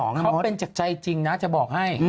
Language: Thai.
เขาเป็นจากใจจริงนะจะบอกให้